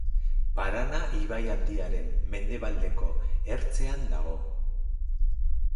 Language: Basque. Parana ibai handiaren mendebaldeko ertzean dago.